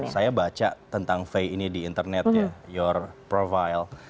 saya baca tentang faye ini di internet ya your profile